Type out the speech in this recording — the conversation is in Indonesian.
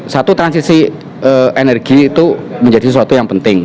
satu transisi energi itu menjadi sesuatu yang penting